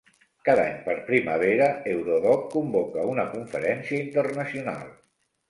Cada any per primavera, Eurodoc convoca una conferència internacional.